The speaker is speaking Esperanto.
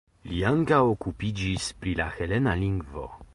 Li ankaŭ okupiĝis pri la helena lingvo.